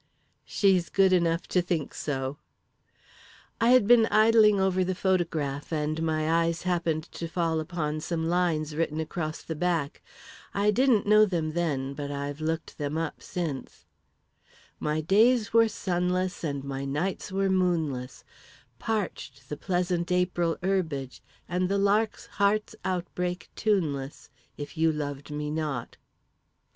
"'She's good enough to think so.' "I had been idling over the photograph, and my eyes happened to fall upon some lines written across the back I didn't know them, then, but I've looked them up, since: 'My days were sunless and my nights were moonless, Parched the pleasant April herbage and the lark's heart's outbreak tuneless, If you loved me not!'